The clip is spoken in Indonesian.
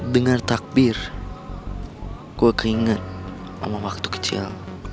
dengar takbir gue keinget sama waktu kecil